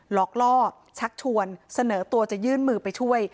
หลอกล่อชักชวนเสนอตัวจะยื่นมือไปช่วย